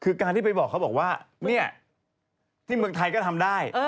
คือการที่ไปบอกเขาบอกว่าเนี่ยที่เมืองไทยก็ทำได้